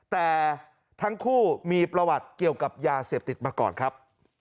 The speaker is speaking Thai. แต่ทั้งคู่มีประวัติเกี่ยวกับยาเสพติดมาก่อนครับ